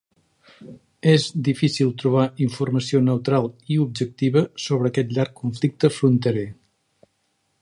És difícil trobar informació neutral i objectiva sobre aquest llarg conflicte fronterer.